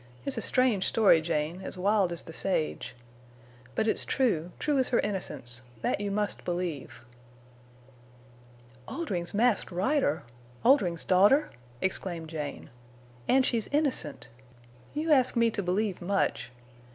It's a strange story, Jane, as wild as the sage. But it's true—true as her innocence. That you must believe." "Oldring's Masked Rider! Oldring's daughter!" exclaimed Jane. "And she's innocent! You ask me to believe much.